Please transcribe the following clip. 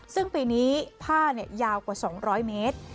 ซึ่งปีนี้ผ้าเนี่ยยาวกว่าสองร้อยเมตร